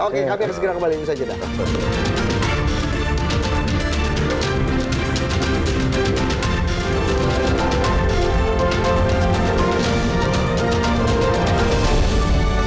oke kami akan segera kembali